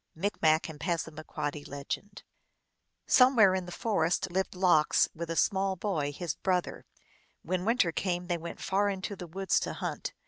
(Micmac and Passamaquoddy.) Somewhere in the forest lived Lox, with a small boy, his brother. When winter came they went far into the woods to hunt.